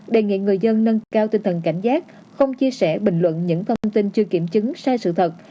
đề nghị người dân nâng cao tinh thần cảnh giác không chia sẻ bình luận những thông tin chưa kiểm chứng sai sự thật